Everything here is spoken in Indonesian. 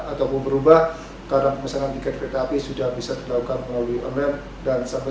ataupun berubah karena pemesanan tiket kereta api sudah bisa dilakukan melalui online dan sampai